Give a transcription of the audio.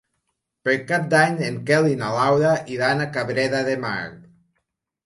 Per Cap d'Any en Quel i na Laura iran a Cabrera de Mar.